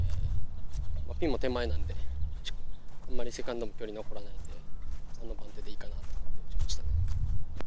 ピンも手前なので、あまりセカンドも距離が残らないので、この番手でいいかなと思ってきました。